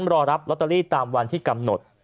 รอรับลอตเตอรี่ตามวันที่กำหนด